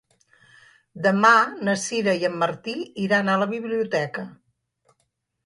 Demà na Sira i en Martí iran a la biblioteca.